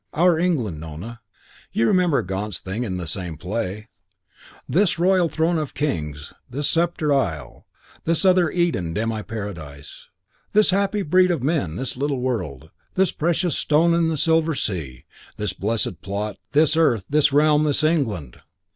Our England, Nona. You remember Gaunt's thing in the same play: "This royal throne of kings, this sceptre'd isle, This other Eden, demi paradise.... This happy breed of men, this little world, This precious stone set in the silver sea.... This blessed plot, this earth, this realm, this England...."